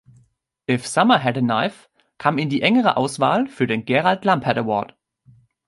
„If Summer Had a Knife“ kam in die engere Auswahl für den Gerald Lampert Award.